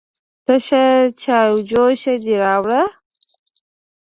_تشه چايجوشه دې راوړه؟